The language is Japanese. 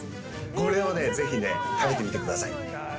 これをね、ぜひね、食べてみてください。